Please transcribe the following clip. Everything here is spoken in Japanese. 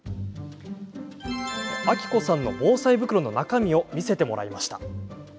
明子さんの防災袋の中身を見せてもらいました。